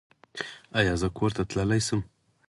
ایا زه کور ته تللی شم؟